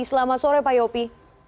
selamat sore pak yopi